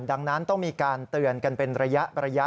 ดังนั้นต้องมีการเตือนกันเป็นระยะ